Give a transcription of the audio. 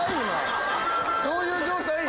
今どういう状態？